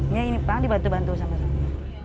iya ini pang dibantu bantu sama sama